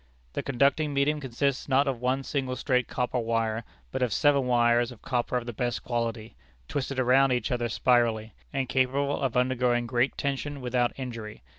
The conducting medium consists not of one single straight copper wire, but of seven wires of copper of the best quality, twisted round each other spirally, and capable of undergoing great tension without injury.